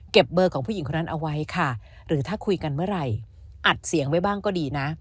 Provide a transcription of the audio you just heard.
เบอร์ของผู้หญิงคนนั้นเอาไว้ค่ะหรือถ้าคุยกันเมื่อไหร่อัดเสียงไว้บ้างก็ดีนะ